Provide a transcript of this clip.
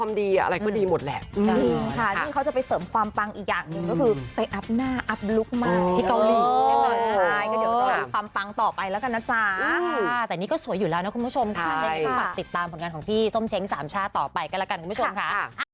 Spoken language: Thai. มีครูบาอาจารย์ดูแลอยู่พี่ก็มีความเชื่อและศรัทธา